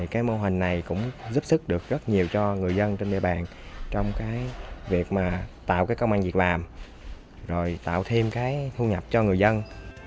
cái mô hình này cũng giúp sức được rất nhiều cho người dân trên địa bàn trong cái việc mà tạo cái công an việc làm rồi tạo thêm cái thu nhập cho người dân